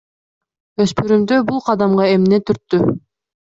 Өспүрүмдү бул кадамга эмне түрттү?